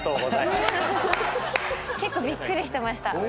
結構びっくりしてました。